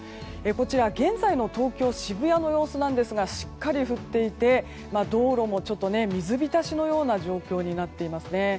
こちら、現在の東京・渋谷の様子なんですがしっかり降っていて道路も水浸しのような状況になっていますね。